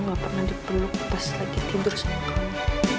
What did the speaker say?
gak pernah dipeluk pas lagi tidur sama kamu